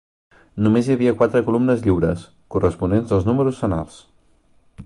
Només hi havia quatre columnes lliures, corresponents als números senars.